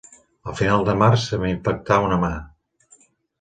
Al final de març se m'infectà una mà